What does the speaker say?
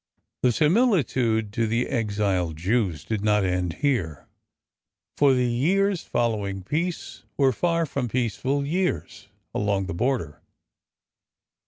The similitude to the exiled Jews did not end here, for the years following peace were far from peaceful years along the border.